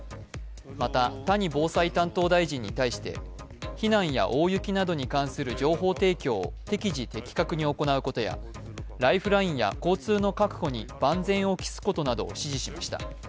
また、谷防災担当大臣に対して避難や大雪などに関する情報提供を適時・的確に行うことやライフラインや交通の確保に万全を期すことなどを指示しました。